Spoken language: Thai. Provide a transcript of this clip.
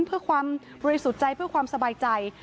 เพื่อความบริสุทธิ์ใจเพื่อความสบายใจ